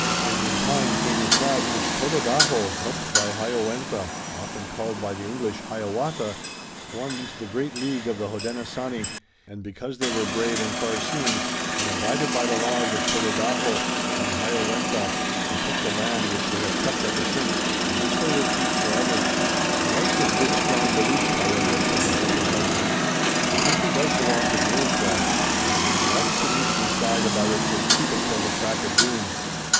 And in time came the tribes which Tododaho, helped by Hayowentha, often called by the English Hiawatha, formed into the great League of the Hodenosaunee, and because they were brave and far seeing and abided by the laws of Tododaho and Hayowentha, they took the land which they have kept ever since, and which they will keep forever." "I like your good, strong beliefs, Tayoga," said the hunter heartily. "The country does belong to the Iroquois, and if it was left to me to decide about it they'd keep it till the crack of doom.